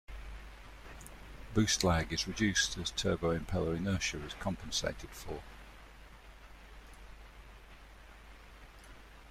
Boost lag is reduced as turbo impeller inertia is compensated for.